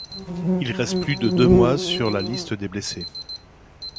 Il reste plus de deux mois sur la liste des blessés.